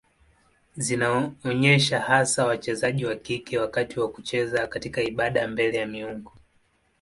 Zinaonyesha hasa wachezaji wa kike wakati wa kucheza katika ibada mbele ya miungu.